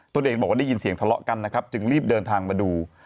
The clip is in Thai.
ตัวเองบอกว่าได้ยินเสียงทะเลาะกันนะครับจึงรีบเดินทางมาดู